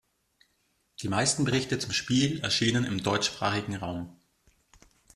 Die meisten Berichte zum Spiel erschienen im deutschsprachigen Raum.